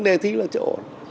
đề thi là chỗ ổn